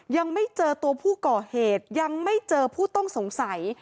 ยังไม่เจอตัวผู้ก่อเหตุยังไม่เจอผู้ต้องสงสัย